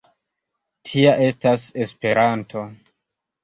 Tia estas Esperanto.